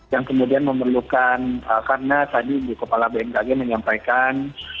yang kemudian memerlukan karena tadi bukopala bmkg menyampaikan